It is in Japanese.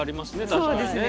確かにね。